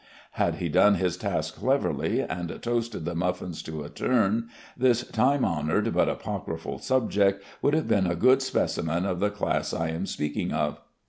Had he done his task cleverly, and toasted the muffins to a turn, this time honored but apocryphal subject would have been a good specimen of the class I am speaking of.